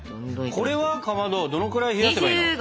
これはかまどどのくらい冷やせばいいの？